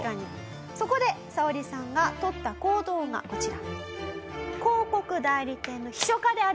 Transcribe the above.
そこでサオリさんが取った行動がこちら。